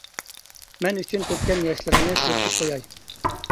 مەن ئۈچۈن تۆككەن ياشلىرىڭنى سۈرتۈپ قوياي!